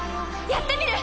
やってみる！